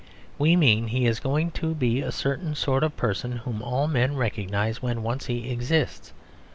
We mean, is he going to be a certain sort of person whom all men recognise when once he exists.